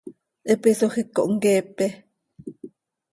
Hipi hisoj iic cohmqueepe.